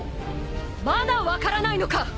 まだ分からないのか！